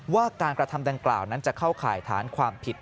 ว่าการกระทำดังกล่าวนั้นจะเข้าข่ายฐานความผิด